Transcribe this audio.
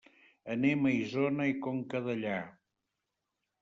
Anem a Isona i Conca Dellà.